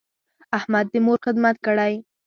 احمد د مور خدمت کړی.